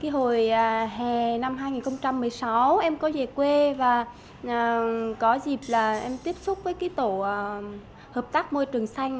hồi hè năm hai nghìn một mươi sáu em có về quê và có dịp là em tiếp xúc với tổ hợp tác môi trường xanh